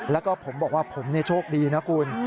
แล้วก็ผมบอกว่าผมโชคดีนะคุณ